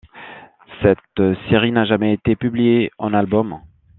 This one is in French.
Cette série n'a jamais été publiée en album.